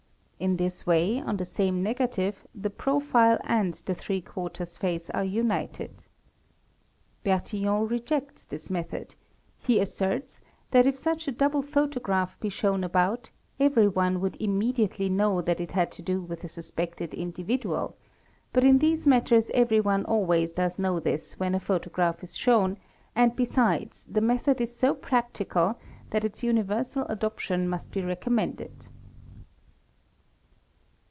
In this way, on the same negative the profi and the three quarters face are united. Bertillon rejects this method: I asserts that if such a double photograph be shewn about everyone woul immediately know that it had to do with a suspected individual; but i these matters everyone always does know this when a photograph is shov and besides the method is so practical that its universal adoption must ] recommended.